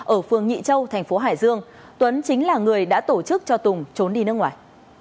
ở phường nhị châu thành phố hải dương tuấn chính là người đã tổ chức cho tùng trốn đi nước ngoài